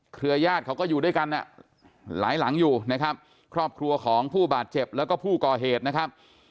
ญาติเขาก็อยู่ด้วยกันหลายหลังอยู่นะครับครอบครัวของผู้บาดเจ็บแล้วก็ผู้ก่อเหตุนะครับ